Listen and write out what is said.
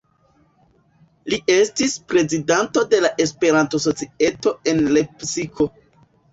Li estis prezidanto de la Esperanto-Societo en Lepsiko.